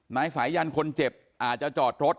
นายสายันคนเจ็บอาจจะจอดรถ